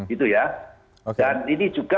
itu ya dan ini juga